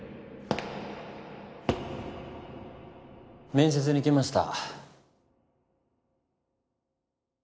・面接に来ました。